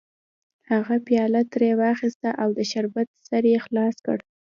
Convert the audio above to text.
هغه پیاله ترې واخیسته او د شربت سر یې خلاص کړ